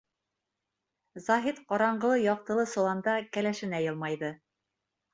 Заһит ҡараңғылы-яҡтылы соланда кәләшенә йылмайҙы.